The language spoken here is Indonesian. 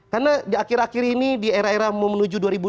karena di akhir akhir ini di era era mau menuju dua ribu empat